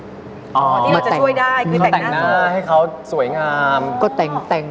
อ๋อที่เราจะช่วยได้คือแต่งหน้าให้เขาสวยงาม